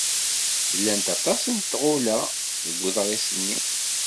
Llant aṭas n tɣula deg weḍris-nni.